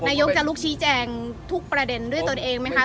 นายกจะลุกชี้แจงทุกประเด็นด้วยตัวเองไหมคะ